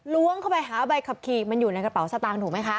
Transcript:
ล้วงเข้าไปหาใบขับขี่มันอยู่ในกระเป๋าสตางค์ถูกไหมคะ